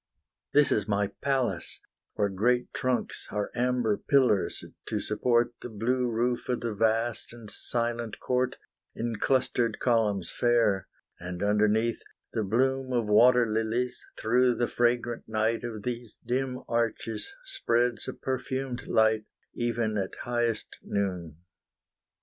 This is my palace, where Great trunks are amber pillars to support The blue roof of the vast and silent court, In clustered columns fair: And underneath, the bloom Of water lilies through the fragrant night Of these dim arches spreads a perfumed light, Even at highest noon.